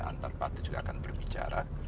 di antara partai juga akan berbicara